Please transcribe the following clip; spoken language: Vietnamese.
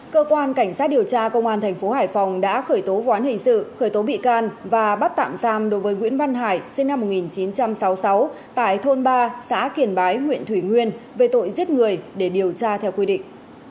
cơ quan cảnh sát điều tra công an thành phố hải phòng đã khởi tố vụ án hình sự khởi tố bị can và bắt tạm giam đối với nguyễn văn hải sinh năm một nghìn chín trăm sáu mươi sáu tại thôn ba xã kiển bái huyện thủy nguyên về tội giết người để điều tra theo quy định